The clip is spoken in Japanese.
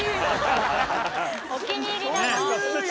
お気に入りなの。